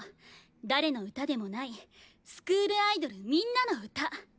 誰の歌でもないスクールアイドルみんなの歌。